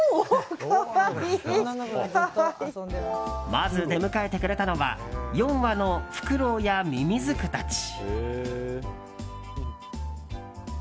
まず出迎えてくれたのは４羽のフクロウやミミズクたち。